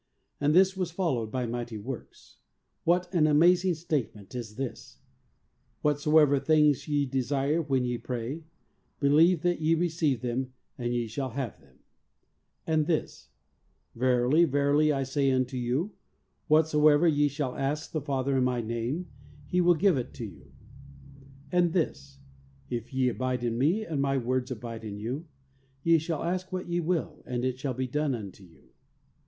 And this was followed by mighty works. What an amazing statement is this: "Whatsoever things ye desire when ye pray, believe that ye receive them, and ye shall PRAYER. 19 have them;" and this: "Verily, verily, I say unto you, Whatsoever ye shall ask the Father in My name, He will give it you ;" and this : "If ye abide in Me and My words abide in you, ye shall ask what ye will and it shall be done unto you